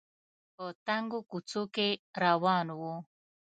په تنګو کوڅو کې روان و